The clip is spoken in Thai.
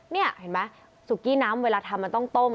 นี่เห็นไหมสุกี้น้ำเวลาทำมันต้องต้ม